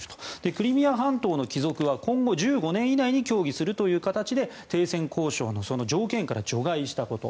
クリミア半島の帰属は今後１５年以内に協議するという形で停戦交渉の条件から除外したこと。